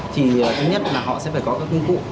thì thứ nhất là họ sẽ phải có các công cụ